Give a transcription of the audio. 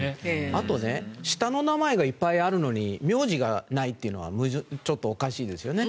あとね下の名前がいっぱいあるのに苗字がないというのはちょっとおかしいですよね。